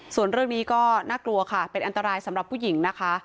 ส่วนเรื่องนี้ก็น่ากลัวค่ะเป็นอันตรายสำหรับผู้หญิงนะคะ